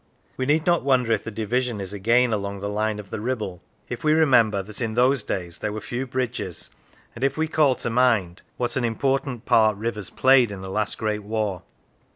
We need not wonder if the division is again along the line of the Ribble, if we remember that in those days there were few bridges, and if we call to mind what an important part rivers 62 How It Came into Being played in the last great war.